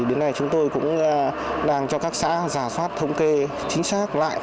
đến nay chúng tôi cũng đang cho các xã giả soát thống kê chính xác lại